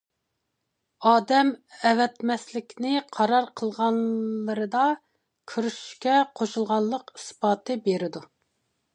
ئادەم ئەۋەتمەسلىكنى قارار قىلغانلىرىدا كۆرۈشۈشكە قوشۇلغانلىق ئىسپاتى بېرىدۇ.